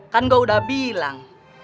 kan gue udah bilang